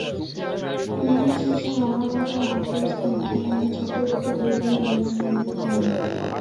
শুনানি শেষে মহানগর হাকিম স্নিগ্ধা রানী চক্রবর্তী দুই দিনের রিমান্ড মঞ্জুর করেন।